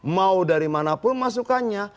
mau dari mana pun masukannya